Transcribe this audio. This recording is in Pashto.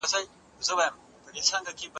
که موږ نن په دې جرګه کي تا پاچا کړو